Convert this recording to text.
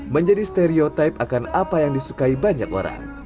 menjadi stereotype akan apa yang disukai banyak orang